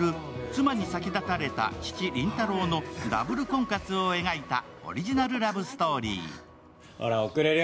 妻に先立たれた父・林太郎のダブル婚活を描いたオリジナルラブストーリー。